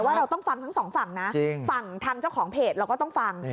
เราต้องฟังทั้งสองฝั่งนะฝั่งทางเจ้าของเพจเราก็ต้องฟัง